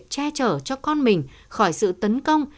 che chở cho con mình khỏi sự tấn công